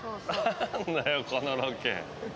何だよこのロケ。